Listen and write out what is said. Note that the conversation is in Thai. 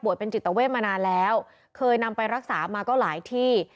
เป็นจิตเวทมานานแล้วเคยนำไปรักษามาก็หลายที่